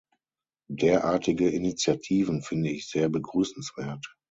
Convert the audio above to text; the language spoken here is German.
Derartige Initiativen finde ich sehr begrüßenswert.